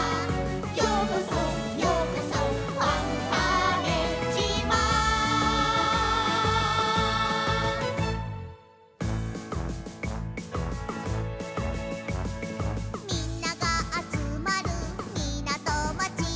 「ようこそようこそファンターネ島」「みんながあつまるみなとまち」